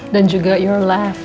dan juga senyummu